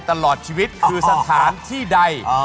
ตลอดชีวิตคือสถานที่ใด